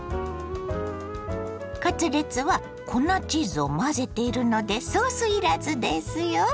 カツレツは粉チーズを混ぜているのでソースいらずですよ。